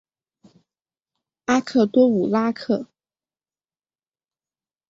阿克多武拉克。